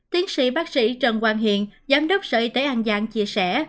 tiến sĩ bác sĩ trần quang hiện giám đốc sở y tế an giang chia sẻ